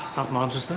selamat malam suster